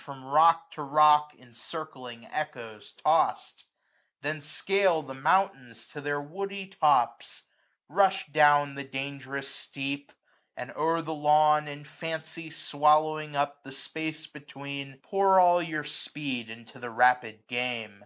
From rock to rock, in circling echoes tost ; Then scale the mountains to their woody tops ; Rush down the dangerous steep ; and o'er the lawn. In fancy swallowing up the space between, 485 Pour all your speed into the rapid game.